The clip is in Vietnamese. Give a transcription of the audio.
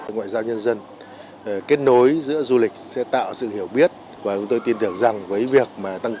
ngoại giao nhân dân kết nối giữa du lịch sẽ tạo sự hiểu biết và chúng tôi tin tưởng rằng với việc mà tăng